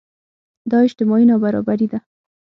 دا اجتماعي نابرابري ده.